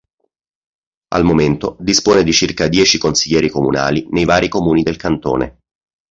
Al momento dispone di circa dieci Consiglieri comunali nei vari comuni del Cantone.